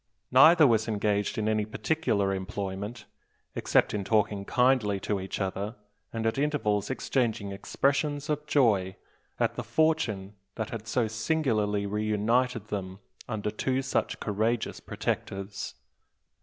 Neither was engaged in any particular employment, except in talking kindly to each other, and at intervals exchanging expressions of joy at the fortune that had so singularly reunited them under two such courageous protectors.